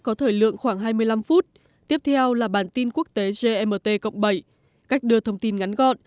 có thời lượng khoảng hai mươi năm phút tiếp theo là bản tin quốc tế gmt cộng bảy cách đưa thông tin ngắn gọn